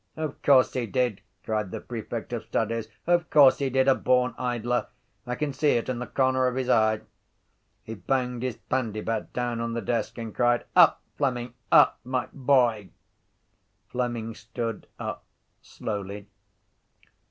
—Of course he did! cried the prefect of studies, of course he did! A born idler! I can see it in the corner of his eye. He banged his pandybat down on the desk and cried: —Up, Fleming! Up, my boy! Fleming stood up slowly.